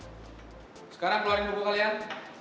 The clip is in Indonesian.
sekarang keluarin buku kalian